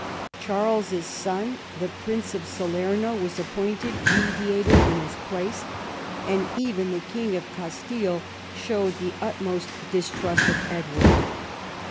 Charles's son, the Prince of Salerno, was appointed mediator in his place, and even the King of Castile showed the utmost distrust of Edward.